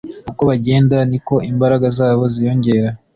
uko bagenda ni ko imbaraga zabo ziyongera